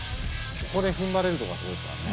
ここで踏ん張れるとこがすごいですからね。